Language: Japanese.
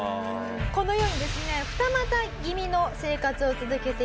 このようにですね二股気味の生活を続けていたミキさん。